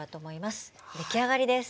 出来上がりです。